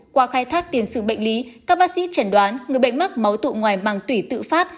qua khai thác tiền sự bệnh lý các bác sĩ chẩn đoán người bệnh mắc máu tụ ngoài màng tủy tự phát